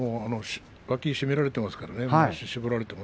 脇を絞られていますからね。